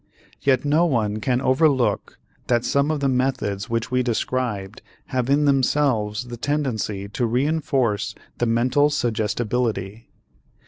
Yet no one can overlook that some of the methods which we described have in themselves the tendency to reënforce the mental suggestibility.